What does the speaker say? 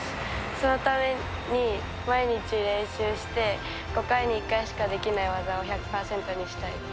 そのために毎日練習して、５回に１回しかできない技を１００％にしたいです。